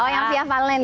oh yang via fallen ya